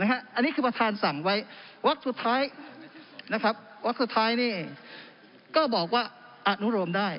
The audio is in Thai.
อันนี้คือประธานสั่งไว้วักสุดท้ายก็บอกว่าอนุโลมได้